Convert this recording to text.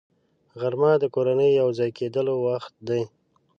غرمه د کورنۍ یو ځای کېدلو وخت دی